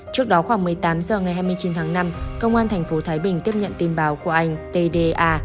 trước đó khoảng một mươi tám h ngày hai mươi chín tháng năm công an thành phố thái bình tiếp nhận tin báo của anh tda